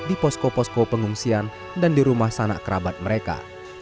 di posko posko pengungsian dan di rumah sanak kerabat mereka